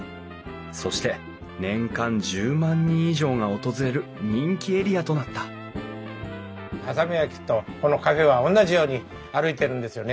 そして年間１０万人以上が訪れる人気エリアとなった波佐見焼とこのカフェは同じように歩いてるんですよね。